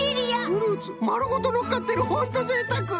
フルーツまるごとのっかってるホントぜいたく！